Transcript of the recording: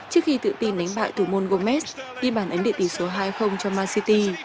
trước khi tự tin đánh bại thủ môn gomez đi bản ảnh địa tỷ số hai cho man city